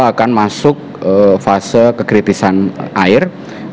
akan masuk fase kekritisan air